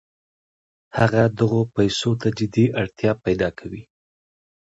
هغه دغو پیسو ته جدي اړتیا پیدا کوي